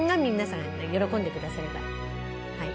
はい。